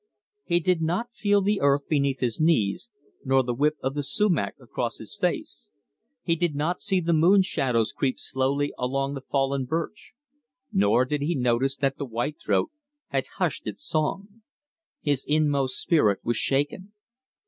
He did not feel the earth beneath his knees, nor the whip of the sumach across his face; he did not see the moon shadows creep slowly along the fallen birch; nor did he notice that the white throat had hushed its song. His inmost spirit was shaken.